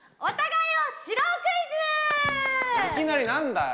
いきなり何だよ！